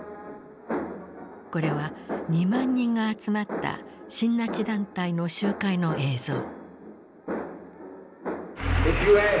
これは２万人が集まった親ナチ団体の集会の映像。